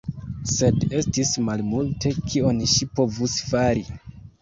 Sed estis malmulte kion ŝi povus fari.